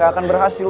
gak akan berhasil